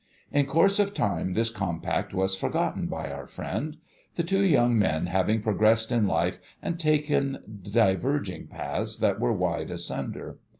In course of time, this compact was forgotten by our friend ; the two young men having progressed in life, and taken diverging paths that were wide asunder.